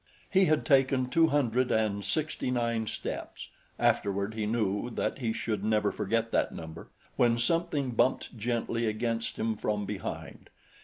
He had taken two hundred and sixty nine steps afterward he knew that he should never forget that number when something bumped gently against him from behind.